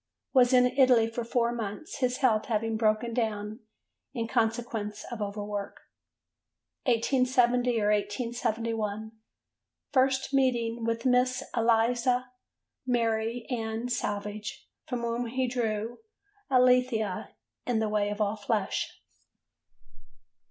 Was in Italy for four months, his health having broken down in consequence of over work. 1870 or 1871. First meeting with Miss Eliza Mary Ann Savage, from whom he drew Alethea in The Way of All Flesh.